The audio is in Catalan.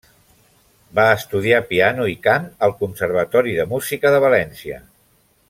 Va estudiar, piano i cant al Conservatori de Música de València.